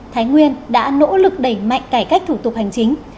thái nguyên đã nỗ lực đẩy mạnh cải cách thủ tục hành chính